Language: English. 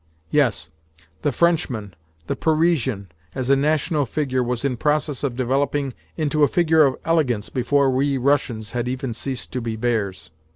Yes, the Frenchman, the Parisian, as a national figure, was in process of developing into a figure of elegance before we Russians had even ceased to be bears.